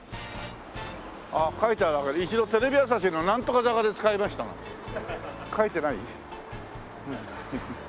書いて「一度テレビ朝日のなんとか坂で使いました」なんて書いてない？